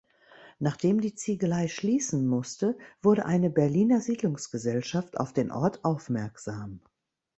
Nachdem die Ziegelei schließen musste, wurde eine Berliner Siedlungsgesellschaft auf den Ort aufmerksam.